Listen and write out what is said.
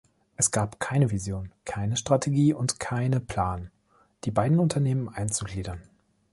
Es gab keine Vision, keine Strategie und keine Plan, die beiden Unternehmen einzugliedern.